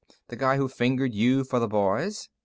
"The guy who fingered you for the boys?"